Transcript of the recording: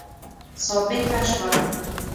ثابته سوه.